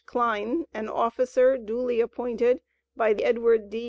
Kline, an officer, duly appointed by Edward D.